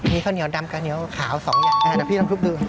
มีข้าวเหนียวดำข้าวเหนียวขาว๒อย่างแต่พี่ต้องทุบดู